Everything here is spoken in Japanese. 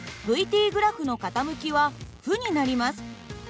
ｔグラフの傾きは負になります。